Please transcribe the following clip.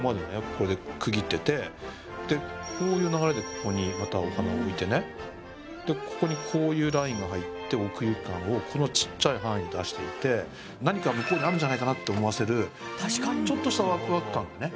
これで区切っててこういう流れでここにまたお花を置いてねでここにこういうラインが入って何か向こうにあるんじゃないかなって思わせるちょっとしたワクワク感がね